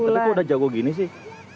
tapi kok udah jago gini sih